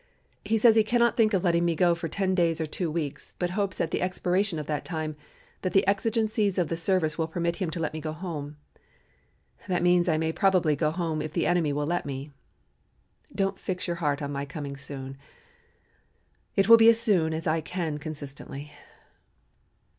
He says he cannot think of letting me go for ten days or two weeks, but hopes at the expiration of that time that the exigencies of the service will permit him to let me go home. That means that I may probably go home if the enemy will let me. Don't fix your heart on my coming soon. It will be as soon as I can consistently."